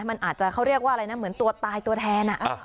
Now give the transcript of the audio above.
มันอาจจะเขาเรียกว่าอะไรนะเหมือนตัวตายตัวแทน